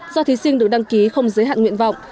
do thí sinh được đăng ký không giới hạn nguyện vọng